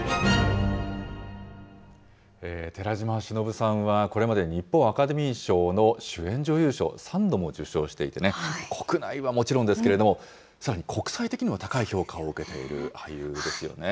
寺島しのぶさんは、これまで日本アカデミー賞の主演女優賞、３度も受賞していてね、国内はもちろんですけど、さらに国際的にも高い評価を受けている俳優ですよね。